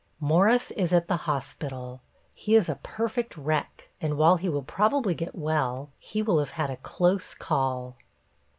Morris is at the hospital. He is a perfect wreck, and while he will probably get well, he will have had a close call.